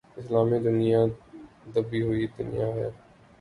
اسلامی دنیا دبی ہوئی دنیا ہے۔